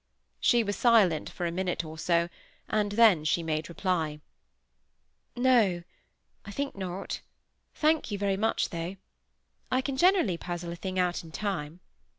She was silent for a minute or so, and then she made reply,— "No! I think not. Thank you very much, though. I can generally puzzle a thing out in time.